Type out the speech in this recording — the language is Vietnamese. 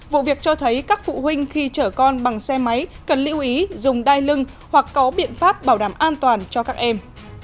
vụ việc cho thấy các phụ huynh khi chở con bằng xe máy cần lưu ý dùng đai lưng hoặc có biện pháp bảo đảm an toàn cho các em